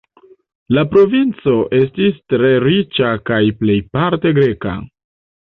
La provinco estis tre riĉa kaj plejparte greka.